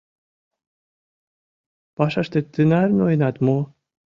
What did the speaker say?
— Пашаште тынар ноенат мо?